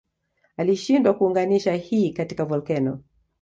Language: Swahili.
Alishindwa kuunganisha hii katika volkeno